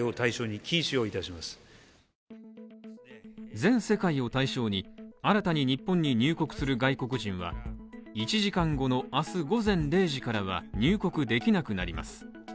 全世界を対象に、新たに日本に入国する外国人は一時間後の明日午前０時からは入国できなくなります。